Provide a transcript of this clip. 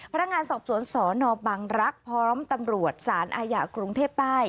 พนักงานสอบสวนสนบังรักษ์พร้อมตำรวจสารอาญากรุงเทพใต้